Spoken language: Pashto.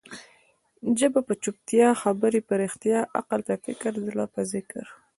ژبه په چوپتيا، خبري په رښتیا، عقل په فکر، زړه په ذکر.